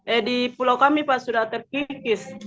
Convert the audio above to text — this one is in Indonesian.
eh di pulau kami pak sudah terkikis